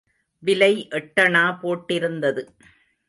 விலை எட்டணா போட்டிருந்தது.